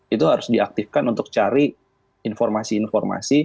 itu harus diaktifkan untuk cari informasi informasi